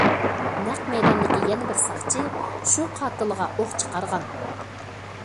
نەق مەيداندىكى يەنە بىر ساقچى شۇ قاتىلغا ئوق چىقارغان.